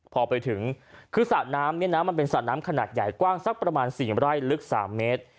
พอไปถึงคือสระน้ำเนี่ยนะมันเป็นสระน้ำขนาดใหญ่กว้างสักประมาณ๔ไร่ลึก๓เมตร